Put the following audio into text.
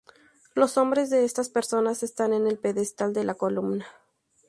Los nombres de estas personas están en el pedestal de la columna.